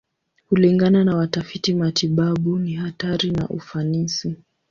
Kulingana na watafiti matibabu, ni hatari na ufanisi.